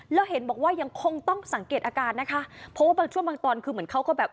แล้วเห็นบอกว่ายังคงต้องสังเกตอาการนะคะเพราะว่าบางช่วงบางตอนคือเหมือนเขาก็แบบ